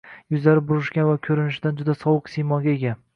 Yuzlari burishgan va koʻrinishidan juda sovuq siymoga ega